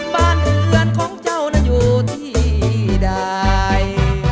บ้านเรือนของเจ้านั้นอยู่ที่ใด